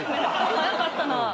早かったな。